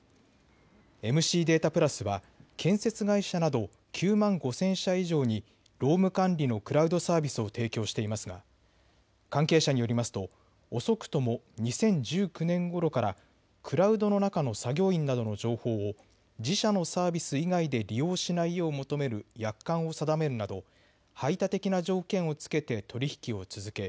ＭＣデータプラスは建設会社など９万５０００社以上に労務管理のクラウドサービスを提供していますが関係者によりますと遅くとも２０１９年ごろからクラウドの中の作業員などの情報を自社のサービス以外で利用しないよう求める約款を定めるなど排他的な条件を付けて取り引きを続け